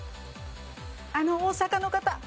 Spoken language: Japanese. あの大阪の方。